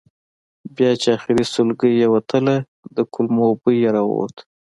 بیا چې آخري سلګۍ یې وتله د کولمو بوی یې راووت.